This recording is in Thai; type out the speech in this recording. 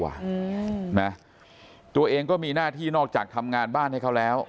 อืมนะตัวเองก็มีหน้าที่นอกจากทำงานบ้านให้เขาแล้ว